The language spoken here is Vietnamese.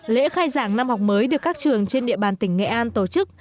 lễ khai giảng năm học mới được các trường trên địa bàn tỉnh nghệ an tổ chức